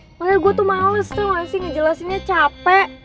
makanya gue tuh males tau gak sih ngejelasinnya capek